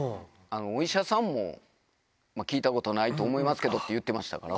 お医者さんも聞いたことないと思いますけどって言ってましたから。